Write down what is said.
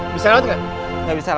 asistennya mas al